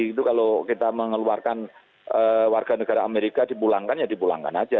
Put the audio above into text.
itu kalau kita mengeluarkan warga negara amerika dipulangkan ya dipulangkan aja